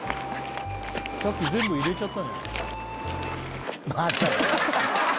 さっき全部入れちゃったんじゃない？